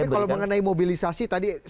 tapi kalau mengenai mobilisasi tadi